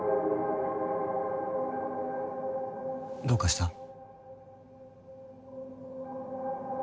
どうかした？